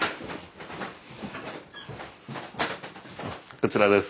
こちらです。